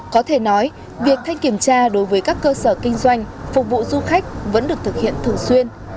có thể nói việc thanh kiểm tra đối với các cơ sở kinh doanh phục vụ du khách vẫn được thực hiện thường xuyên